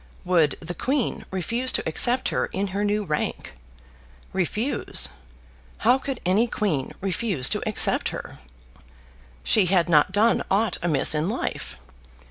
Would the Queen refuse to accept her in her new rank? Refuse! How could any Queen refuse to accept her? She had not done aught amiss in life.